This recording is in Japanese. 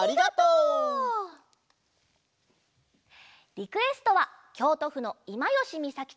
リクエストはきょうとふのいまよしみさき